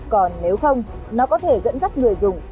còn nếu không nó có thể dẫn dắt người dùng